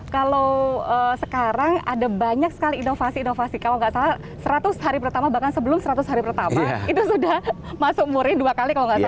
kalau sekarang ada banyak sekali inovasi inovasi kalau nggak salah seratus hari pertama bahkan sebelum seratus hari pertama itu sudah masuk murni dua kali kalau nggak salah